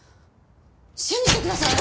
信じてください！